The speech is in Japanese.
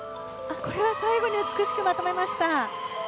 これは最後に美しくまとめました。